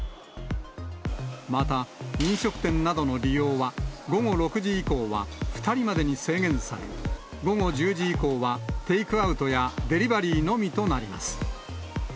また、飲食店などの利用は午後６時以降は２人までに制限され、午後１０時以降はテイクアウトやデリバリーのみとなります。